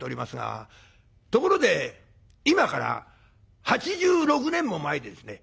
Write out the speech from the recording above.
ところで今から８６年も前ですね